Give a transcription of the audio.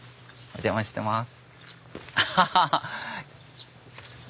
お邪魔します